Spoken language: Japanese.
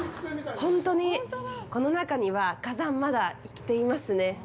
ほんとに、この中には火山まだ生きていますね。